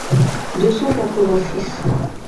deux cent quatre-vingt-six.